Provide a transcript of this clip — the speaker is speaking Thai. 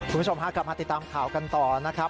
คุณผู้ชมพากลับมาติดตามข่าวกันต่อนะครับ